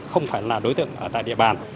không phải là đối tượng ở tại địa bàn